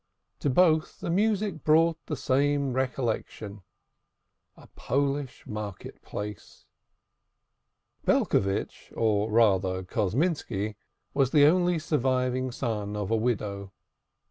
To both the music brought the same recollection a Polish market place. Belcovitch, or rather Kosminski, was the only surviving son of a widow.